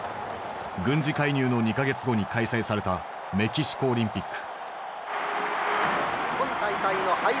軍事介入の２か月後に開催されたメキシコオリンピック。